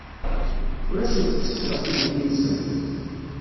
Ur asent-ttekkseɣ tilelli-nsen.